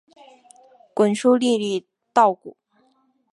滚出粒粒稻谷